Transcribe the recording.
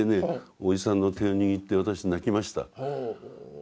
おじさんの手を握って私泣きました。